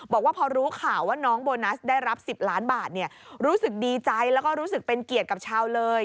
บอกว่าพอรู้ข่าวว่าน้องโบนัสได้รับ๑๐ล้านบาทรู้สึกดีใจแล้วก็รู้สึกเป็นเกียรติกับชาวเลย